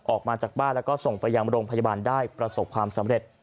ออกมาจากบ้านแล้วก็ส่งไปยังโรงพยาบาลได้ประสบความสำเร็จ